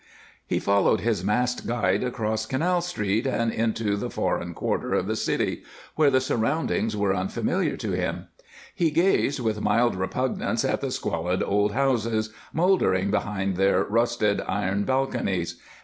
He followed his masked guide across Canal Street and into the foreign quarter of the city, where the surroundings were unfamiliar to him. He gazed with mild repugnance at the squalid old houses, moldering behind their rusted iron balconies.